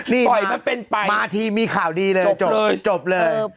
นี่มาทีมีข่าวดีเลยจบเลย